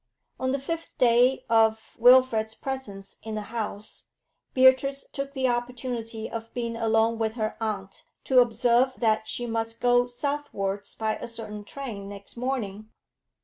On the fifth day of Wilfrid's presence in the house, Beatrice took the opportunity of being alone with her aunt to observe that she must go southwards by a certain train next morning.